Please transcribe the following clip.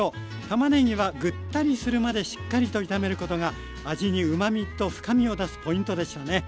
たまねぎはグッタリするまでしっかりと炒めることが味にうまみと深みを出すポイントでしたね。